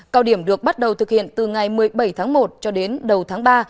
cao điểm được bắt đầu thực hiện từ ngày một mươi bảy tháng một cho đến đầu tháng ba